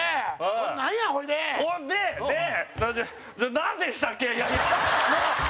なんでしたっけ？